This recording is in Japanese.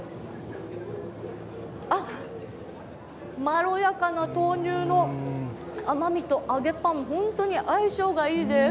あっ、まろやかな豆乳の甘みと揚げパン、本当に相性がいいです。